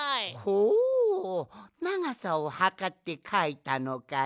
ほうながさをはかってかいたのかね？